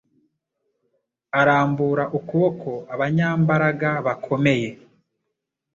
Arambura ukuboko abanyambaraga bakomeye